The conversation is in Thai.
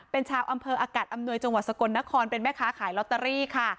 เป็นชาวอำเภออากาศอำนวยจังหวัดสกลนครเป็นแม่ค้าขายลอตเตอรี่ค่ะ